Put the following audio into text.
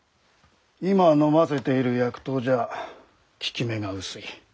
今のませている薬湯じゃ効き目が薄い。